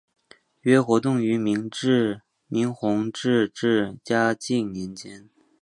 约活动于明弘治至嘉靖年间。